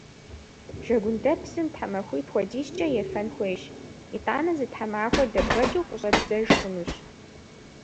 Жэгундэпсым тхьэмахуитӀ хуэдизкӀэ ефэн хуейщ. ИтӀанэ зы тхьэмахуэ дэбгъэкӀыу къыщӀэбдзэж хъунущ.